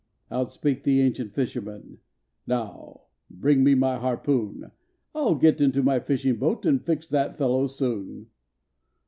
Out spoke the ancient fisherman, "Now bring me my harpoon! I'll get into my fishing boat, and fix the fellow soon."